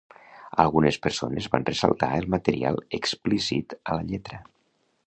Algunes persones van ressaltar el material explícit a la lletra.